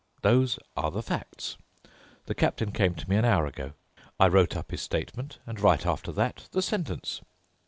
Those are the facts. The captain came to me an hour ago. I wrote up his statement and right after that the sentence.